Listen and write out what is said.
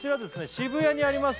渋谷にあります